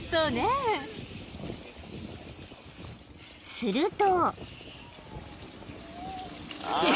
［すると］